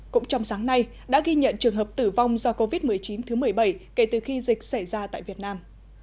cũng trong sáng nay đã ghi nhận trường hợp tử vong do covid một mươi chín thứ một mươi bảy kể từ khi dịch xảy ra tại việt nam